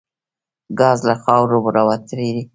ګاز له خاورو راوتي دي.